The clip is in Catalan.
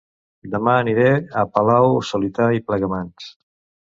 Dema aniré a Palau-solità i Plegamans